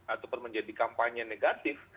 ataupun menjadi kampanye negatif